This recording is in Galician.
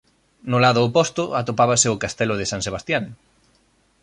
No lado oposto atopábase o castelo de San Sebastián.